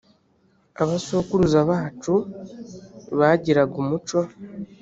abasokuruza bacu bagiiraga umuco.